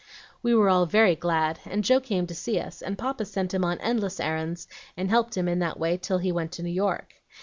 "We were all very glad, and Joe came to see us, and Papa sent him on endless errands, and helped him in that way till he went to New York.